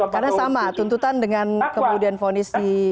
karena sama tuntutan dengan kebudayaan vonis di banding ini ya